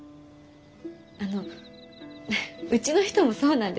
あのフッうちの人もそうなんです。